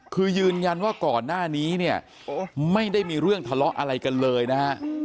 คือยืนยันว่าก่อนหน้านี้เนี่ยไม่ได้มีเรื่องทะเลาะอะไรกันเลยนะฮะ